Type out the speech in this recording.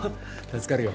助かるよ。